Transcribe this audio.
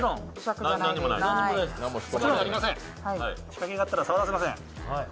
仕掛けがあったら触らせません。